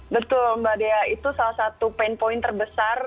betul mbak dea itu salah satu pain point terbesar